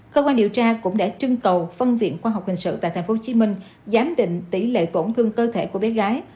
cơ quan điều tra cũng đã trưng cầu phân viện khoa học hình sự tại tp hcm giám định tỷ lệ tổn thương cơ thể của bé gái